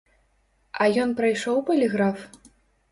А ён прайшоў паліграф?